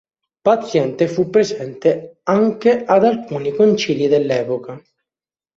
Paziente fu presente anche ad alcuni concili dell'epoca.